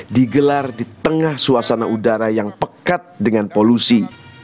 digelar di tengah suasana udara yang pekat dengan polusi